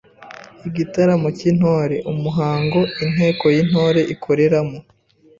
m. Igitaramo cy’Intore: Umuhango Inteko y’Intore ikorera